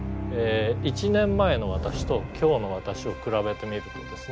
１年前の私と今日の私を比べてみるとですね